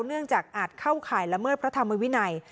เนื่องจากอาจเข้าข่ายละเมิดพระธรรมวินัย